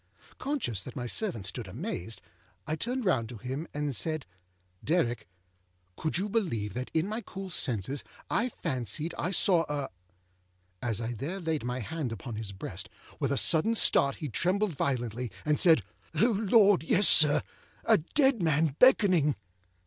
Conscious that my servant stood amazed, I turned round to him, and said: âDerrick, could you believe that in my cool senses I fancied I saw a ââ As I there laid my hand upon his breast, with a sudden start he trembled violently, and said, âO Lord, yes, sir! A dead man beckoning!